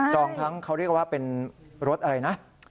ทั้งเขาเรียกว่าเป็นรถอะไรนะ